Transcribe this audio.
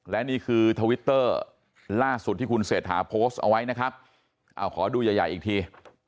และนี่คือทวิตเตอร์ล่าสุดที่คุณเศรษฐาโพสต์เอาไว้นะครับเอาขอดูใหญ่ใหญ่อีกที